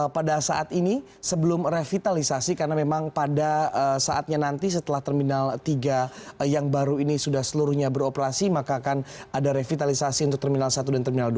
pada saat ini sebelum revitalisasi karena memang pada saatnya nanti setelah terminal tiga yang baru ini sudah seluruhnya beroperasi maka akan ada revitalisasi untuk terminal satu dan terminal dua